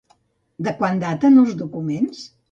De quan daten els documents?